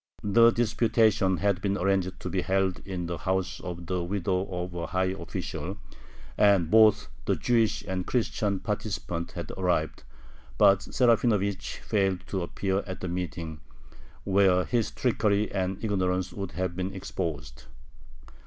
The disputation had been arranged to be held in the house of the widow of a high official, and both the Jewish and Christian participants had arrived, but Serafinovich failed to appear at the meeting, where his trickery and ignorance would have been exposed.